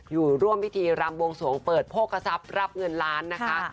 อยู่ร่วมพิธีรำบวงสวงเปิดโภคทรัพย์รับเงินล้านนะคะ